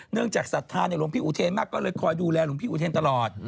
จากศรัทธาในหลวงพี่อุเทนมากก็เลยคอยดูแลหลวงพี่อุเทนตลอด